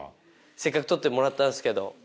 せっかく採ってもらったんすけど。